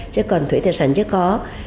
chứ còn thuế tài sản chứ có